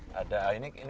banyak banget ini